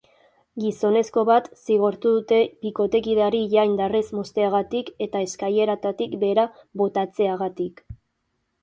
Gizonezko bat zigortu dute bikotekideari ilea indarrez mozteagatik eta eskaileratatik behera botatzeagatik.